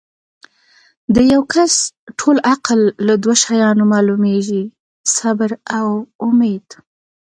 د یو کس ټول عقل لۀ دوه شیانو معلومیږي صبر او اُمید